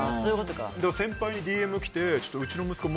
先輩にＤＭが来てうちの息子